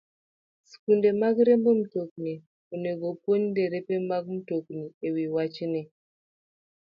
Skunde mag riembo mtokni onego opuonj derepe mag mtokni e wi wachni.